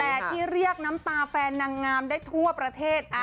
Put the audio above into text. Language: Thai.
แต่ที่เรียกน้ำตาแฟนนางงามได้ทั่วประเทศ